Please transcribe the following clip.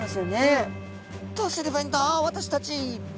「どうすればいいんだ？私たち」。